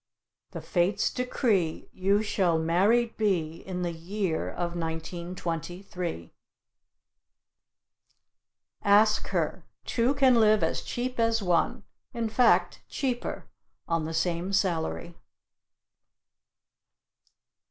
The fates decree You shall married be In the year of 1923. Ask her two can live as cheap as one, in fact cheaper, on the same salary.